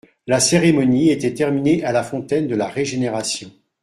La cérémonie était terminée à la fontaine de la Régénération.